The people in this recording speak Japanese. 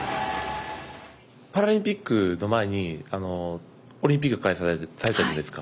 パラリンピックの前にオリンピックが開催されたじゃないですか。